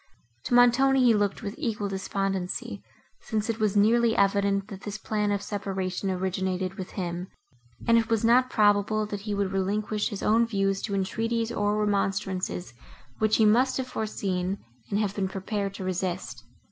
To Montoni he looked with equal despondency, since it was nearly evident, that this plan of separation originated with him, and it was not probable, that he would relinquish his own views to entreaties, or remonstrances, which he must have foreseen and have been prepared to resist.